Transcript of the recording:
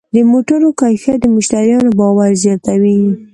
د موټرو کیفیت د مشتریانو باور زیاتوي.